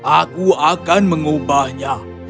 aku akan mengubahnya